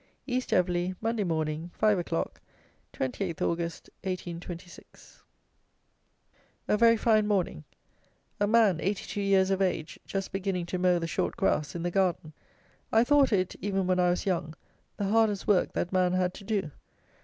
East Everley, Monday Morning, 5 o'clock, 28th Aug. 1826. A very fine morning; a man, eighty two years of age, just beginning to mow the short grass, in the garden: I thought it, even when I was young, the hardest work that man had to do.